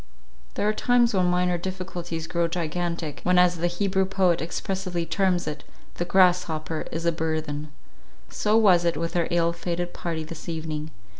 There are times when minor difficulties grow gigantic —times, when as the Hebrew poet expressively terms it, "the grasshopper is a burthen;" so was it with our ill fated party this evening.